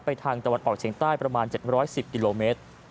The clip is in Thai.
ทางตะวันออกเฉียงใต้ประมาณ๗๑๐กิโลเมตร